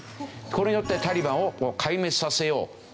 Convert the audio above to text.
これによってタリバンを壊滅させようと考えた。